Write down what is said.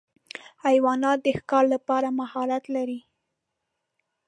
حیوانات د ښکار لپاره مهارت لري.